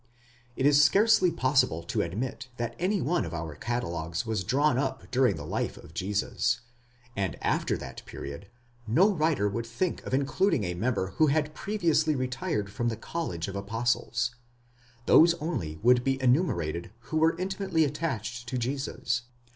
But it is scarcely possible to admit that any one of our catalogues was drawn up during the life of Jesus ; and after that period, no writer would think of including a member who had previously retired from the college of apostles; those only would be enu merated who were ultimately attached to Jesus.